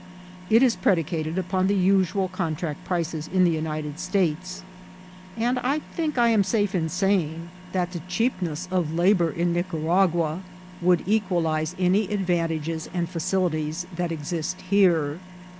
It is predicated upon the usual contract prices in the United States, and I think I am safe in saying that the cheap 414 IVCIDBHTS OP TRATBIm ness of labour in Nioaragaa will eqaabae any adraBts* gea and feicilities that exist here.